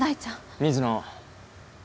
水野。